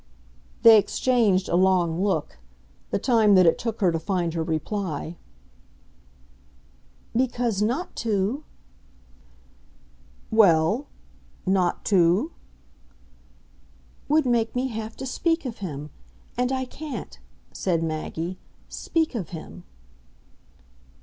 They exchanged a long look the time that it took her to find her reply. "Because not to !" "Well, not to ?" "Would make me have to speak of him. And I can't," said Maggie, "speak of him."